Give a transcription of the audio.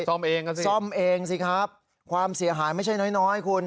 ซ่อมเองกันสิซ่อมเองสิครับความเสียหายไม่ใช่น้อยน้อยคุณ